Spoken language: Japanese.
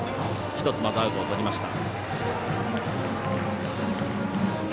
１つアウトをとりました。